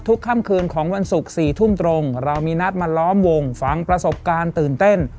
ค่ำคืนของวันศุกร์๔ทุ่มตรงเรามีนัดมาล้อมวงฟังประสบการณ์ตื่นเต้น